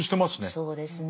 そうですね。